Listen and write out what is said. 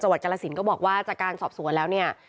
วัดกรสินก็บอกว่าจากการสอบสวนแล้วเนี่ย